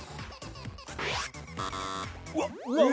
うわっ。